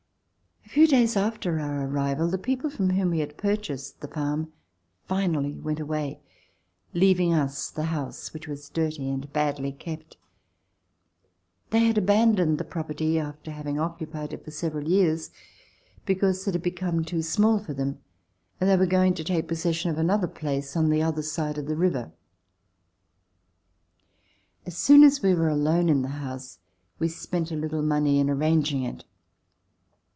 A few days after our arrival, the people from whom we had purchased the farm finally went away, leav ing us the house, which was dirty and badly kept. They had abandoned the property after having occu pied it for several years, because it had become too small for them and they were going to take possession of another place on the other side of the river. As soon as we were alone in the house, we spent a little money in arranging it.